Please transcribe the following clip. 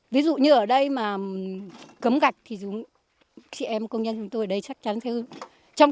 ví dụ như ở đây mà cấm gạch thì chị em công nhân chúng tôi ở đây chắc chắn theo